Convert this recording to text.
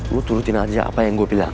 lu turutin aja apa yang gue bilang